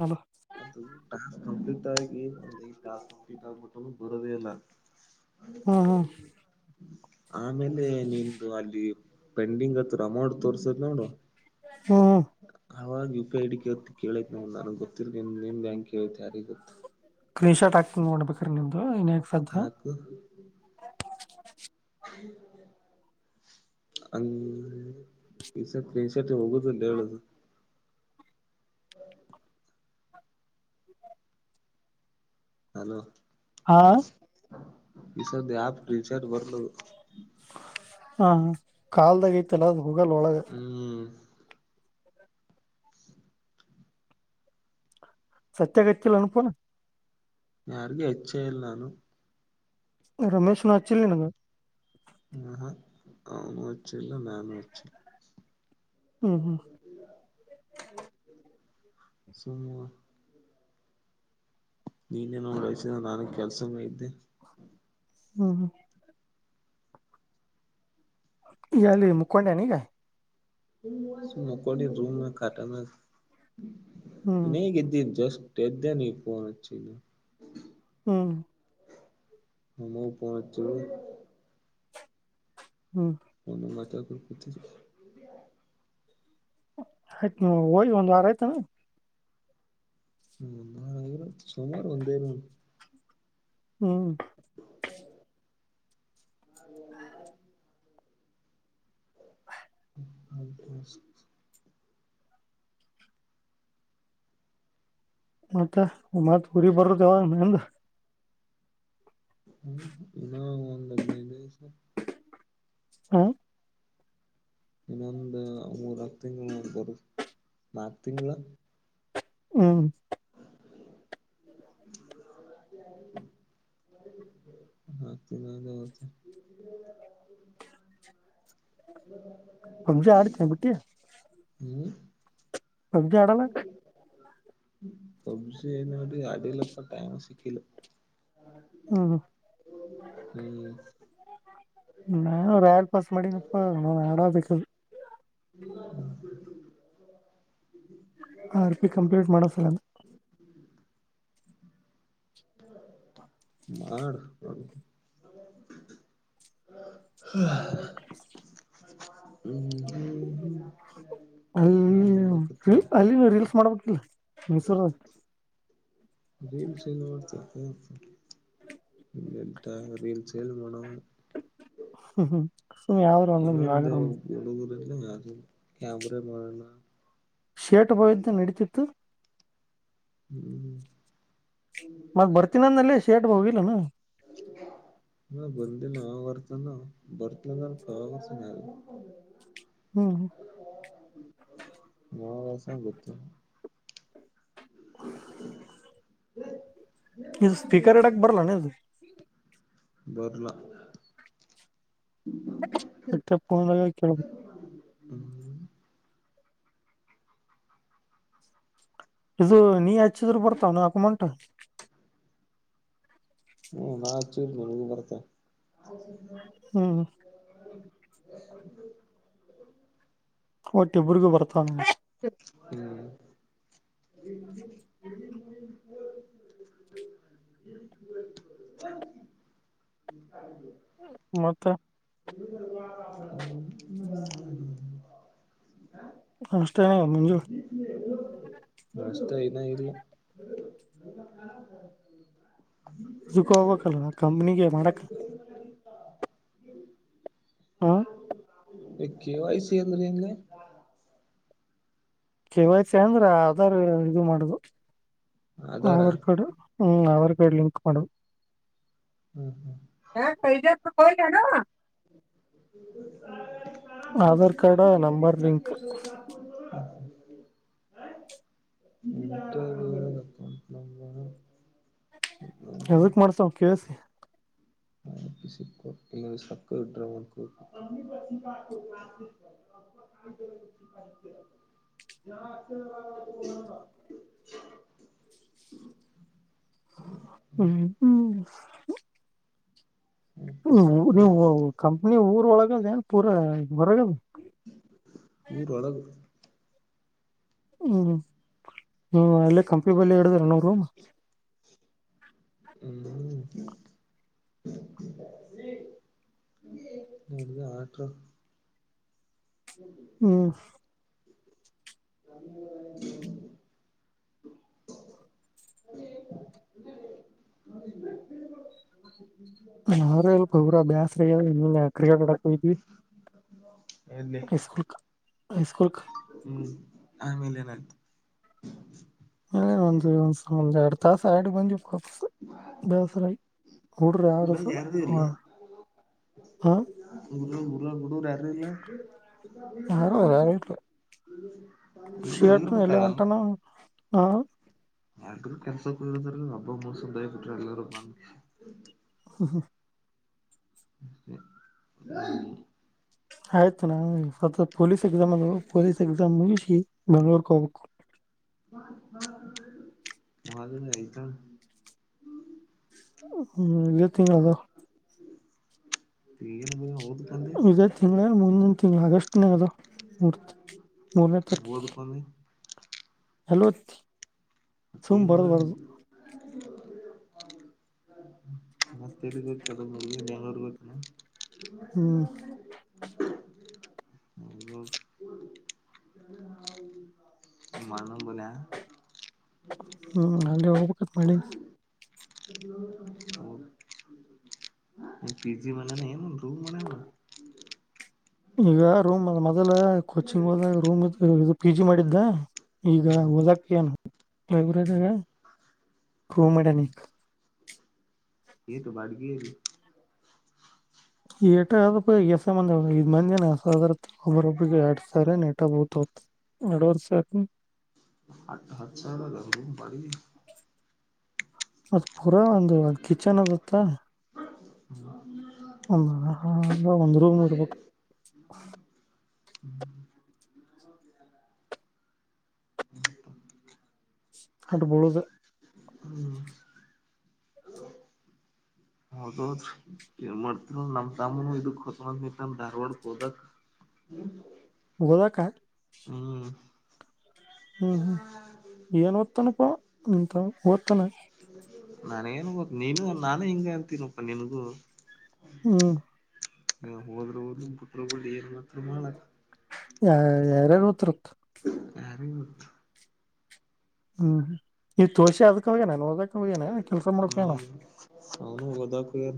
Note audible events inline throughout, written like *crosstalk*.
ಹಲ ಅದು ಕಂಪ್ಲೀಟ್ ಆಗಿ ಒಂದ ಕಂಪ್ಲೀಟ್ ಆಗ್ಬಿಟ್ಟ ಬರೋದೇ ಇಲ್ಲ ಅ ಕ ಹ್ಮ್ ಹ್ಮ್ *unintelligible* ಆಮೇಲೆ ನಿದ ಅಲ್ಲಿ ಪೆಂಡಿಂಗ್ ಹತ್ರ ಅಮೌಂಟ್ ತೋರ್ಸದ್ ನೋಡು ಹಾ ಅವಾಗ ಯು ಪಿ ಐ ಡಿ ಕೇಳ ಕೇಳೈ ನಗೆ ನನಗೆ ಗೊತ್ತಿರ್ ನೀನ್ ಬ್ಯಾಂಕ್ ಕೇಳತೆ ಯಾರಿಗೆ ಗೊತ್ತು ಕ್ಲೇಶ ಟಾಕಂಗ್ ಮಾಡ್ಬೇಕ ರೀ ನಿಮ್ದು ಸದ್ದ ಹು *unintelligible* ಹ್ಮ ಹಂಗ ಶರ್ಟ್ ಟ ಶರ್ಟ್ ಹೋಗುದಲ್ಲ ಹೇಳುದು ಹಲೋ ಹಾ ವಿಷ ಆ ವಿ ಸಟ್ ಬರ್ಲು ಹಾ ಕಾಲ್ದಾಗ ಐತೆಲ್ಲ ಅ ಹೋಗಲ್ ಒಳಗ ಈ *inaudible* ಸತ್ಯಗತ ಅನುಪೋಣ ಯಾರಿಗ ಹೆಚ್ಚ ಇಲ್ಲ ನಾನು ರಮೇಶನು ಹಚ್ಚಿಲ್ಲ ನಿನಗ *inaudible* ನಾನು ಅವನು ಹಚ್ಚಲ್ಲ ನಾನು ಹಚ್ಚಲ್ಲ. *inaudible* ಹು ಹು *inaudible* ಇಲ್ಲ ಸುಮ್ಮ *inaudible* ನೀನೇನು ನೋಡಸಿಲ್ಲ ನಾನು ಕೆಲಸ ಐತಿ. *inaudible* *unintelligible* ಹ ಹ *inaudible* ಈಗಾಗಲೇ ಮಕ್ಕೊಂಡಿ ಏನ್ ಈಗ *inaudible* ಮಕ್ಕೊಂಡಿದ್ದು ರೂಮ ಕಾಟನ ಮ ಹ್ಮ್ ನೀಗ ಇದ್ದಿ ಜೂಸ್ *inaudible* ಎದ್ದೇ ನೀ ಪೋನ್ ಹಚ್ಚಿದೇ *inaudible* ಹ *inaudible* ನಿಮ್ಮ ಪೋನ್ ಹಚ್ಚಿದ ಏನ್ *inaudible* ಹೂ *inaudible* ಏನ್ ಏನ್ ಮಾತಡಕೊಂತ ಕುಂತಿದರಿ. *inaudible* ಹತ್ತ ಹೋಗಿ ಒಂದ್ ವಾರ ಆಯ್ತಾನ. *inaudible* ಹು ಒಂದ ವಾರ ಆಗಿರಬೇಕು ಸುಮಾರು ಒಂದೇ ಒಂದ್ *inaudible* ಹೂ *inaudible* ಹೌದ *inaudible* *unintelligible* ಮತ್ತ ಮತ್ತ ಊರಿಗ ಬರುದು ಯಾವಾಗ ಎಂದ? *inaudible* ಹು ಇನ್ ಒಂದ ಹದಿನೈದು ದಿವಸ *inaudible* ಆ *inaudible* ಇನ್ನೊಂದು ಮೂರ ಆರ ತಿಂಗಳ ಬರುದ ನಾಲ್ಕ ತಿಂಗಳ *inaudible* ಹೂ *inaudible* *inaudible* *unintelligible* ಹತ್ತ ದಿನ ಹೊತ *inaudible* *unintelligible* *unintelligible* *inaudible* ಪಬ್ಜಿ ಆಡತ್ತಿ ಏನ್ ಬಿಟ್ಟಿ. *inaudible* ಏನ್ *inaudible* ಪಬ್ಜಿ ಆಡೋಲ್ಲ? *inaudible* ಪಬ್ಜಿ ಇನ್ ವರಿಗೂ ಆಡಿಲ್ಲಪ್ಪ ಟೈಮ್ ಸಿಕ್ಕಿಲ್ಲ. *inaudible* ಹ್ಮ್ ಹೂ *inaudible* ನಾನರಾ ಆಡಿ ಪಾಸ್ ಮಾಡಿನಪ್ಪ ನಾನ ಆಡಬೇಕ. *inaudible* *inaudible* *unintelligible* ಆರ್ ಪಿ ಕಂಪ್ಲೀಟ್ ಮಾಡೋ ಸಲ *inaudible* ಆಡ *inaudible* *inaudible* ಹೂ ಹು ಹು *inaudible* ಅಲ್ಲಿ ಅಲ್ಲಿ ರೀಲ್ಸ್ ಮಾಡ್ಬೇಕಿಲ್ಲ ಮೈಸೂರ ಆಗ *inaudible* ರೀಲ್ಸ ಎಲ್ಲಿ ಮಾಡ್ತೀಪಾ ಹೆಂತಾ ರೀಲ್ಸೇ ಎಲ್ಲಿ ಮಾಡವ *inaudible* ಹ ಹ *inaudible* ಇನ್ನೊಂದ ಹುಡುಗುರ ಅದು ರಾತ್ರಿ ಕ್ಯಾಮರಾ ಮಾಡನಾ *inaudible* ಶೇಟಗೋಳ ಇತ್ತ ನಡೀತಿತ್ತು. *inaudible* ಹೂ *inaudible* ಮತ್ತ ಬರ್ತೀನ ಅಂದನ ಅಲ್ಲೇ ಶೇರ್ಟ್ ಹೋಗಿಲ್ಲ ಏನ್ *inaudible* ಜಿಂಗಾ *inaudible* ಹ ಬಂದಿಲ್ಲ ಯಾವಾಗ ಬರ್ತನ ಬರ್ತನ ಅಂತ ವಾಪಸ್ ಹೋಗೇನ್ *inaudible* ಹ್ಮ್ ಹ ವಸ ಬತ್ತ ಹ್ಮ ಇದು ಸ್ಪೀಕರ್ ಎಡಕ್ ಬರಲ್ಲಾನ ಅದು ಬರ್ಲ ಎ ಪ ವಳ ಹ್ಮ್ ಇದು ನೀ ಹಚ್ಚಿದ್ರು ಬರ್ತಾವ ನಾಕ ಮಂಟ ಹ್ಮ್ ನಾಚ್ಚೂರ್ನ ನೀ ಬರತ ಎ ಹ್ಮ್ ಓಟ್ಟೆಬರಿಗೂ ಬರ್ತಾನ ಹ್ಮ್ ಹ್ಮ್ಮ *inaudible* ಹ ಹಾಗ ಮತ್ತೆ ಇ ಮ ನಮಸ್ತೆೇ ಮಂಜು ವಷ್ಟ ಐನ ಇಲ್ *inaudible* ಝುಕ ಹೋಗಬೇಕಕ್ಲ್ಲ ಕಂಪ್ನಿಗೆ ಮಾಡಕ ಹಾಂ ಕೆೆ ವಯಸ ಎ ರ ಹೆಂಗ ಕೆವಾಯ್ತಿ ಅಂದ್ರೆ ಅದಾರ್ ಇದು ಮಾಡುದು ಆಧಾರ ಆಾರ್ ಕಡೆ ಹ್ಮ್ ಅವಾರ್ ಕಾರ್ಡ್ ಲಿಂಕ್ ಮಾಡ ಹ್ಮ್ ಹ್ಮ್ ಬಿಜಾಪುರ್ ಕ್ಕೆ ಹೊಡಿ ಅನವ ಸಾ ಆಧಾರ್ *inaudible* ಕಾರ್ಡ್ ನಂಬರ್ ಲಿಂಕ್ ಹ್ಮ್ *unintelligible* ಅದಕ್ಕೆ ಮಾಡ್ಸ ಅವವು ಕೇಳಿಸಿ ನ ಪಿಿಸಿಿಕ್ಕರ್ ಇಗೆ ಸಕ್ಕ ಇಟ ಒನ್ ಕುವಿಕು *unintelligible* ಹ್ಮ್ ಹ್ಮ್ ನೀವು ಕಂಪ್ನಿ ಊರ ಒಳಗಲ್ನ್ ಪೂರಾ ಹೊರಗದು ಉರ್ ಹೊಳಗ ಹ್ಮ್ ಹ್ಮ್ ಅಲ್ಲೇ ಕಂಪನಿ ಬಲ್ಲಿ ಇಡದಿರನು ರೂಮ್ ಹ್ಮ ಮದುವೆ ಆಟ ಹ್ಮ ಹ್ಮ್ ನ *unintelligible* ಹ ಅವ್ರ ಎಲ್ರ ಬ್ಯಾಸ್ರ ಆಗಿ ಕ್ರಿಕೆಟ್ ಆಡೋಕೆ ಹೋಗಿದ್ವಿ ಹ ಸ್ಕೂಲ್ ಹೈ ಸ್ಕೂಲ್ಕಕಾ ಹ್ಮ್ ಆಮೇಲೆ ಏನ ಆಯ್ತು ಹ ಒ ಒಂದು ಎರಡು ತಾಸು ಆಡು ಬಂದಿವ ಕೋ ಕೋ ಬೇಸರ ಆಗಿ ಊರಾಗ್ ಯಾರೂ ಇಲ್ಲ ಹ ಉರಾಗ ಹುಡುಗರು ಯಾರು ಇಲ್ಲ ಇದ್ರ ಯಾರು ಯಾರು ಇಲ್ಲ ಬೇಕಾಗಲ್ಲ ಹ್ಮ ಎಲ್ಲ ಕೆಲ್ಸ ಕೂದಾರ ಹಬ್ಬಮೂಸದಯ ಬಿಟ್ರ ಎಲ್ಲರೂ ಬಂದ ಹಾ ಹಾ *unintelligible* ಆಯ್ತು ನಾ ಪೊಲೀಸ್ ಎಕ್ಸಾಮ್ ಆದವು ಪೊಲೀಸ್ ಎಕ್ಸಾಮ್ ಮುಗಿಸಿ ಬೆಂಗಳೂರು ಗೆ ಹೋಗ್ಬೇಕು ಮದು ಆಐತ *unintelligible* ಹ್ಮ್ ಈ ಇದೆ ತಿಂಗಳು ಅದವು ಏನ್ ಭಯ ಹೌದ್ರಿ ಇದೇ ತಿಂಗಳ ಮುಂದಿನ ತಿಂಗಳು ಆಗಸ್ಟ್ ನಾಗ ಆದವು ಮೂತಿ ಮೂರನೇ ತಾರೀಕಿಗೆ ಓದ್ಕೊಂಡೆ ಹಲೋ ಮತ್ತೇನು ಮೂರ *inaudible* ಮಸ್ತರಿತ್ತುತ ಮಲ್ಲಿ ಜಾನತ್ತು ಬೇಕೇನೋ ಹ್ಮ ಹೋಗ್ತೀನ ಮನ ಬಲ *unintelligible* ಹ್ಮ್ ಅಲ್ಲಿೇ ಹೋಗ್ಬೇಕತ್ ಮಾಡಿ *unintelligible* *inaudible* *unintelligible* ಪಿಜಿ ಮಾಡ್ಯಾನ ಏನ ರೂಮ್ ಮಾಡ್ಯಾ ಣ ಈಗ ರೂಮ್ ಅದ ಮೊದಲ ಕೋಚಿಂಗ್ದ ರೂಮ್ ಇ ಇದು ಪಿ ಜಿ ಮಾಡಿದ್ದ ಈಗ ಓದಕ್ಕೆ ಏನ ಬೆಂಗಳೂರು ದಾಗ ರು ಮದ್ಯಾನೀಗ ಇತ ಬಾಡಿಗಿ ರೀ ಏಟ ಅದ ಪ್ *inaudible* ಮಂದ ಐದ ಮಂದ ಏಸದತ್ತ ಒಬ್ಬರ ಒಬ್ಬರಿಗೆ ಎರಡ ಸಾವಿರ ನ ಇಟ್ಟ ಬಿಲ್ಲತವ ಅಂತ ಎರಡು ವರ್ಷ ಆಯ್ತೇನ್ ಅದ್ ಹಟ್ಟುಸಾವಿರ ಲೋ ರೂಮ್ ಬಾಡಿಗೆ ಅದ ಪುರ ಒಂದು ಕಿಚನ್ ಅದತ್ತ ಹ *inaudible* ಹ ಹಾಂಗ ಒಂದು ರೂಮ್ ನೋಡ್ಬೇಕು ಅಟ್ ಬಿಳುದ ಹ್ಮ್ ಹೌದದ್ ಏನ್ ಮಾಡ್ತರ ನಮ್ ತಾಮೂನು ಇದಕ್ ಹೋಗ್ನಂತ ನಿಂತಾನ ಧಾರ್ವಾಡಕ್ಕೆ ಓದಕ್ ಹ್ಮ ಗೊದಕ ಹ್ಮ್ ಹ್ಮ್ ಹ್ಮ್ ಏನ್ ಓದ್ತಾನಪ್ಪಾ ನಿನ್ ತಮ್ಮ ಓದ್ತಾನ ಹ *inaudible* ನಾನ ಏನು ಗೊತ್ತು ನೀನು ನಾನು ಹಿಂಗ ಅತೀನಪ್ಪ ನನ್ಗೂ ಹ್ಮ್ ಹ ಹೋದ್ರ ಹೋಗ್ಲಿ ಬಿುಟ್ರ ಬಿಡ್ಲಿ ಏನ್ ಮಾತ್ರ ಮಾಡಳಕ್ ಯ ಯಾರ್ಯಾರ ಹೋಗ್ತಾರಪ್ಪ ಯಾರಿಗೊತ್ತು ಹ್ಮನೀ ತೋಷಶಿ ಅದಕ್ ಹೋಗ್ಯನನೆ ನೋಡದಕ್ ಹೋಗ್ಯನನೆ ಕೆಲ್ಸ ಮಾಡಕನ ಹೌನುವದಖ ಯಾರ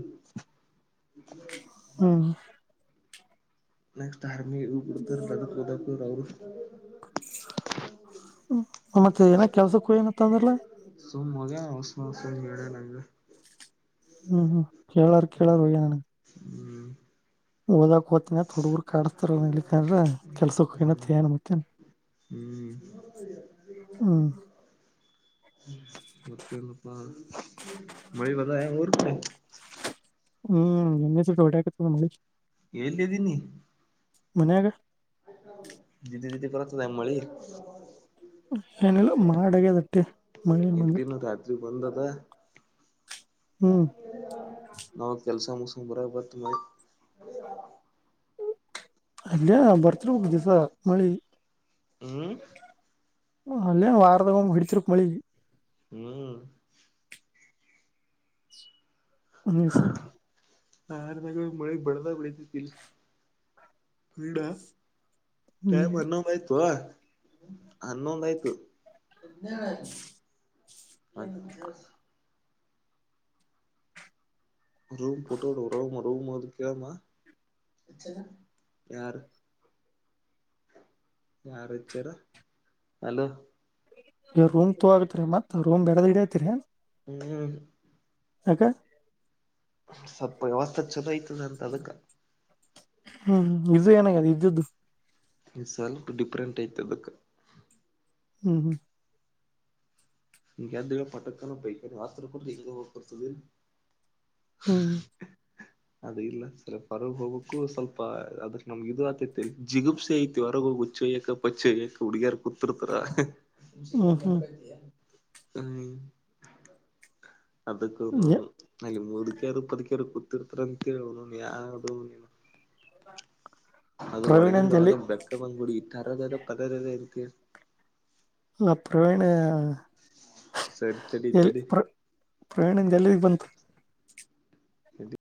ಹ್ಮ್ ನೆಕ್ಸ್ಟ್ ಹಾರಮಿ ಇಬರುತರ್ ಲದಕ್ ಉದಕು ರ ಅವರು ಹ್ಮ ಮತ್ತೆ ಏನ ಕೆಲ್ಸಕ್ಕೂ ಏನತ್ತ ಅಂದ್ರಲ್ಲ ಸುಮ್ ಮೋಗ ಉಸ್ಮ ಸುಮ ಹೇಳಡ ನೆ ಹ್ಮ್ ಹ್ಮ್ ಕೇಳಾರ ಕೇಳಾರ ಹೋಗಣ ಹ್ಮ್ ದ ಹ *unintelligible* ತ ಹುಡುಗರು ಕಡಸ್ತಾರ ಹೇಳಕ್ರ ಕೆಲ್ಸ ಹ ಹ್ಮ್ ಏನತ್ತ ಏನ್ ಮತ್ತ ಹ್ಮ್ ಹ ಹ್ಮ್ *unintelligible* ಮತ್ತೆನಪ ಮಳಿ ಅದು ಏನ್ ಊರ್ ಕಡಿ ಹ್ಮ್ ಎಹೊಟಾಕತದ ಮಳಿ ಹೇಳಲ್ಲಿದ್ದೀನಿ ಮನೆಗ ದೀದಿ ದೀದ್ದಿ ಪತದೆಮ ಮಾಡಿ *unintelligible* ಏನಿಲ್ಲ ಮಾಡ ಆಗ್ಯಾದ್ ಅಟೆ ಮಳಿ ಏನ್ ಇಟ್ ಬಂದಿಲ್ ದಿನ ರಾತ್ರಿ ಬಂದದ ಹ್ಮ್ ನಾವ ಕೆಲ್ಸ ಮುಗುಸ್ಕೊಂಡ್ ಬರ ಬಂತ ಮಳಿ ಅರಿ *unintelligible* ಅಯ್ಯಾ ಬರ್ತಿರಬೇಕು ದಿವಸ ಮಳಿ ಹ್ಮ್ ಅಲ್ಲೇ ವಾರದಾಗ ವಮ್ಮ ಇಡ್ತಿರಬೇಕ್ ಮಳಿ ಹ್ಮ್ ಒಮೇಶ್ವರ ಆ ಮ ಮಳಿ ಬಡದ ಬೆಡಿತತಿಲ್ಲಿ ಪಿರ ಹ್ಮ್ ಟೈಮ್ ಹಿಂದೊಂದು ಆಯ್ತುವಾ ಅನ್ನೋಂದ ಆಯ್ತು ಅ *unintelligible* ರೂಮ್ ಪುಟ್ಟಡು ರೂಮ ರೂಮ್ ಅದು ಕಳಾಮ ಯೆಚ್ಚನಾ ಯಾರು ಯಾರ ಹಚ್ಚಾರ ಹಲೋ ಈ ರೂಮ್ ತೂ ಆಗತ್ ರೀ ಮತ್ತತ್ ರೂಮ್ ಬ್ಯಾರೆದ ಹಿಡೆ ಯಾತ್ರೇನ್ ಹ್ಮ್ ಯಾಕ ಸಲ್ಪ ವ್ಯವಸ್ಥ ಚಲೋ ಐತಿ ನಂದ ಅದಕ್ಕೆ ಹ್ಮ್ ಇದು ಏನಾಗ್ಯದ ಇದ್ದದ್ದು ನೀ ಸ್ವಲ್ಪ ಡಿಫ್ರೆಂಟ್ ಐತ ಅದಕ್ಕ ಹ್ಮ್ ಹ್ಮ್ ನಿಂಗ್ ಎದ್ದು ಪಟ್ಟಕ್ಕನಾ ಪೈಕೈನಿ ವತ್ರ ಕುಂತ ಹಿಂಗ ಹೋಗ್ ಬರ್ತದಿಲ್ ಹು *unintelligible* ಅದ ಇಲ್ಲ ಸರ ಹೊರಗ್ ಹೋಗಕ್ಕು ಸ್ವಲ್ಪ ಅದಕ್ ನಮ್ಗ ಇದು ಆತೈತಿ ಜಿಗುಪ್ಸೆ ಐತಿ ಹೊರಗ ಹೋಗ *unintelligible* ಹುಡುಗಿಯಾರ ಕುತೀರ್ತಾರ್ ಹ್ಮ್ ಹ್ಮ್ ಹ್ಮ್ *unintelligible* ಹ್ಮ್ ಅದಕ್ಕ ನಾನು ಅಲ್ಲಿ ಮುದುಕೇರು ಪದಕೇರು ಕೂತಿರ್ತಾರ ಅಂತ ಹೇಳಿ ಅವನ್ವನ್ ಯಾದು ನೀ *unintelligible* ಅದು ಪ್ರವೀಣಂದ ಎಲ್ಲಿ ಒಳಗಿಂದೊಳಗ ಬೆಕ್ಕದಂಗೂಡಿ ತರದರ ಪದರದ ಇರಕ್ ನಾ ಪ್ರವೀಣ ಸರಿ ತಡಿ ಎಲ್ಲ ಪ್ರ ತಡಿ ಪ್ರವೀಣಂದ ಎಲ್ಲಿಗೆ ಬಂತ್ ಎದ್ದಿ